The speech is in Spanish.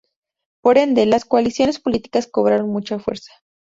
Por ende, las coaliciones políticas cobraron mucha fuerza.